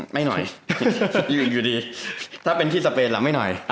ไม่หน่อยยืนอยู่ดีถ้าเป็นที่สเปนล่ะไม่หน่อย